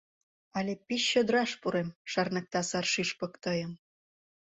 Але пич чодыраш пурем — Шарныкта сар шӱшпык тыйым.